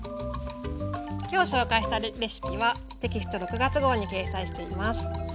今日紹介したレシピはテキスト６月号に掲載しています。